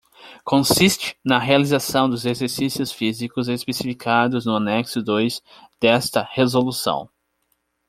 Consiste na realização dos exercícios físicos especificados no anexo dois desta Resolução.